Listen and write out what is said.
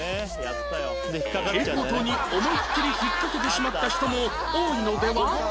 蛍光灯に思いっきり引っかけてしまった人も多いのでは？